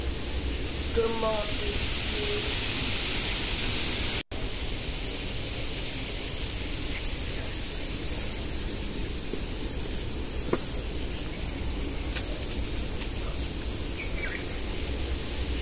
Ke môr étie.